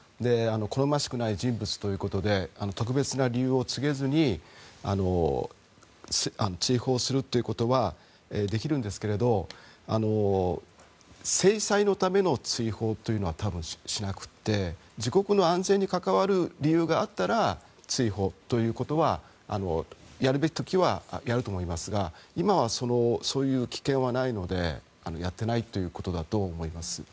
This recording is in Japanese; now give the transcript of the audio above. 好ましくない人物ということで特別な理由を告げずに追放するということはできるんですけれど制裁のための追放というのは多分しなくて、自国の安全に関わる理由があったら追放ということはやるべき時はやると思いますが今はそういう危険はないのでやってないということだと思います。